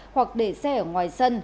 hoặc để xe ở ngoài sân